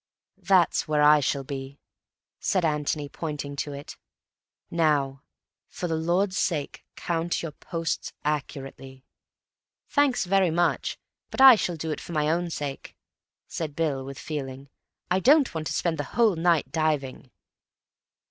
"That's where I shall be," said Antony, pointing to it. "Now, for the Lord's sake, count your posts accurately." "Thanks very much, but I shall do it for my own sake," said Bill with feeling. "I don't want to spend the whole night diving."